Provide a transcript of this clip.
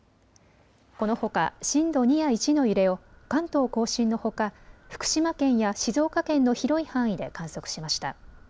このほか震度２や１の揺れを関東甲信のほか福島県や静岡県の広い範囲で観測しました。